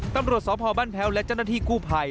ตำรวจสพบ้านแพ้วและเจ้าหน้าที่กู้ภัย